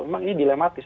memang ini dilematis